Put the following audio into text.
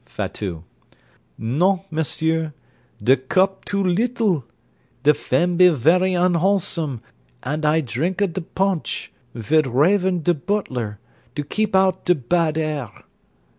FATOUT Non, monsieur: de cup too little. De fen be very unwholesome, and I drink a de ponch vid Raven de butler, to keep out de bad air.